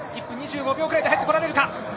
１分２５秒ぐらいで入ってこれるか。